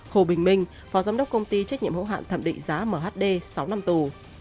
hồ bình minh phó giám đốc công ty trách nhiệm hữu hạn thẩm định giá mhd sáu năm tù